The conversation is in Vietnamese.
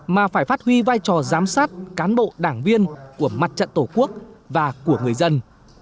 mà phải phát huy vai trò giám sát cán bộ đảng viên của mặt trận tổ quốc và của người dân